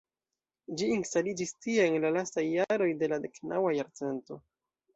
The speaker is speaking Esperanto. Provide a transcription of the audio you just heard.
Ĝi instaliĝis tie en la lastaj jaroj de la deknaŭa jarcento.